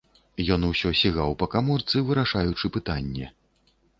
Ён усё сігаў па каморцы, вырашаючы пытанне.